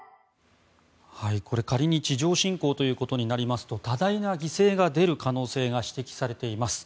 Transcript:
これ、仮に地上侵攻ということになりますと多大な犠牲が出る可能性が指摘されています。